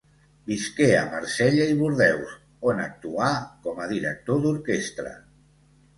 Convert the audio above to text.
Visqué a Marsella i Bordeus, on actuà com a director d'orquestra.